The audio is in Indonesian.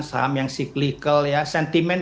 saham yang cyclical sentimen